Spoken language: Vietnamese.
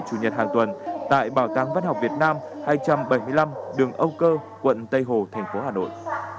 chủ nhật hàng tuần tại bảo tàng văn học việt nam hai trăm bảy mươi năm đường âu cơ quận tây hồ thành phố hà nội